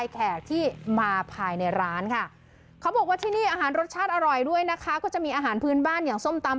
เขาบอกว่าที่นี่อาหารรสชาติอร่อยด้วยนะคะก็จะมีอาหารพื้นบ้านอย่างส้มตำ